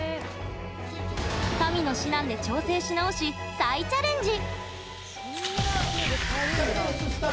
神の指南で調整し直し再チャレンジ。